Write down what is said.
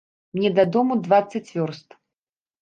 Мне дадому дваццаць вёрст.